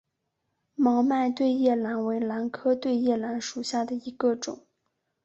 毛脉对叶兰为兰科对叶兰属下的一个种。